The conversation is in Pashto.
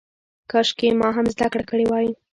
کاشکې ما هم زده کړه کړې وای.